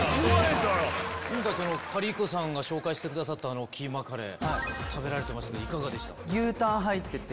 今回カリー子さんが紹介したキーマカレー食べられてましたけどいかがでしたか？